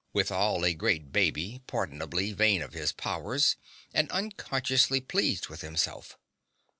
Withal, a great baby, pardonably vain of his powers and unconsciously pleased with himself.